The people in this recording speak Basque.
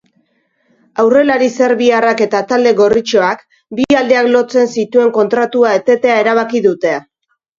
Aurrelari serbiarrak eta talde gorritxoak bi aldeak lotzen zituen kontratua etetea erabaki dute.